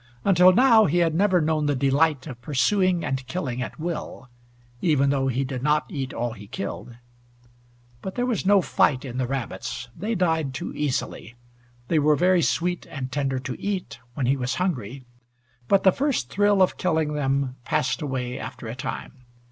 Until now, he had never known the delight of pursuing and killing at will, even though he did not eat all he killed. But there was no fight in the rabbits. They died too easily. They were very sweet and tender to eat, when he was hungry, but the first thrill of killing them passed away after a time.